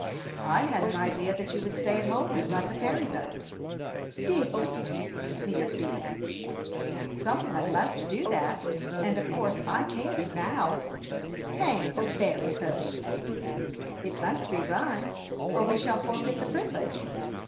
" I had an idea that you would stay at home, and run the ferry boat." " Did you ?" sneered Ben. " Some one must do that ; and of course I can't now." 18* 210 HASTE AXD WASTE, OB " Hang the ferry boat !"" It must be run, or we shall forfeit the privilege."